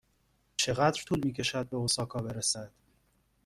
چقدر طول می کشد به اوساکا برسد؟